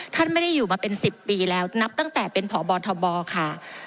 ท่านไม่ได้อยู่มาเป็น๑๐ปีแล้วนับตั้งแต่เป็นพบทบค่ะ